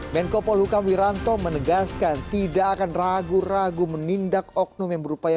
menko polhukam wiranto menegaskan tidak akan ragu ragu menindak oknum yang berupaya